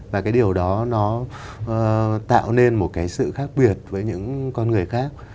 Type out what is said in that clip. và cái điều đó nó tạo nên một cái sự khác biệt với những con người khác